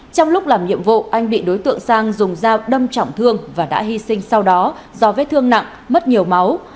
trong lúc làm nhiệm vụ anh bị đối tượng sang dùng dao đâm trọng thương và đã hy sinh sau đó do vết thương nặng mất nhiều máu